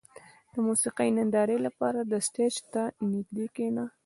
• د موسیقۍ نندارې لپاره د سټېج ته نږدې کښېنه.